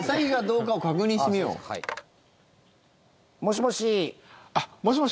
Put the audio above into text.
もしもし。